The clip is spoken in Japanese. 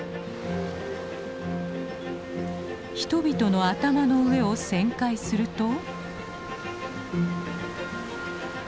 人々の頭の上を旋回すると。